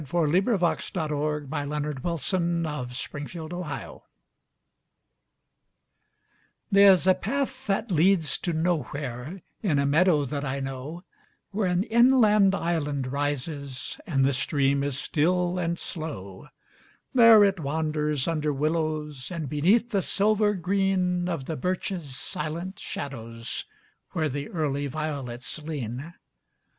The Second Book of Modern Verse. 1922. The Path that leads to Nowhere THERE'S a path that leads to NowhereIn a meadow that I know, Where an inland island risesAnd the stream is still and slow; There it wanders under willowsAnd beneath the silver greenOf the birches' silent shadowsWhere the early violets lean.